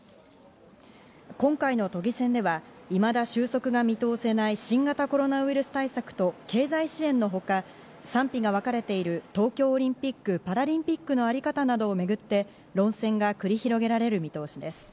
今回の都議選では、いまだ収束が見通せない新型コロナウイルス対策と経済支援のほか、賛否がわかれている東京オリンピック・パラリンピックのあり方などをめぐって論戦が繰り広げられる見通しです。